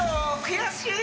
悔しい！